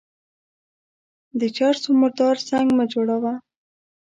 د چر سو مردار سنگ مه جوړوه.